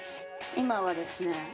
今はですね。